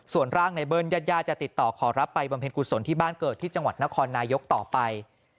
ส่วนร่างในเบิ้ลญาติจะติดต่อขอรับไปบำเพ็ญกุศลที่บ้านเกิดที่จังหวัดนครนายกต่อไป